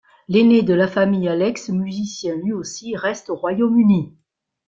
L'aîné de la famille, Alex, musicien lui aussi, reste au Royaume-Uni.